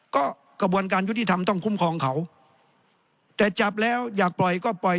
ก็กระบวนการยุติธรรมต้องคุ้มครองเขาแต่จับแล้วอยากปล่อยก็ปล่อย